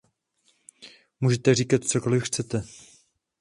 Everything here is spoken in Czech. Můžete říkat, cokoliv chcete.